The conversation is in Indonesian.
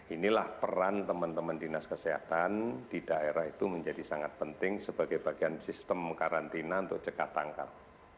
inilah peran teman teman dinas kesehatan di daerah itu menjadi sangat penting sebagai bagian sistem karantina untuk cekat tangkap